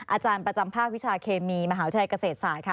อาจารย์ประจำภาควิชาเคมีมหาวิทยาลัยเกษตรศาสตร์ค่ะ